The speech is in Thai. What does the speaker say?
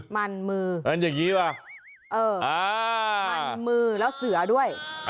มันมือมันอย่างนี้ว่ะเอออ่ามันมือแล้วเสือด้วย